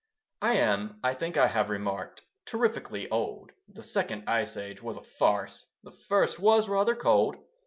I am, I think I have remarked, Terrifically old, (The second Ice age was a farce, The first was rather cold.)